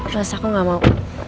mas aku gak mau